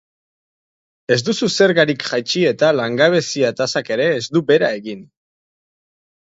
Ez duzu zergarik jaitsi eta langabezia-tasak ere ez du bera egin.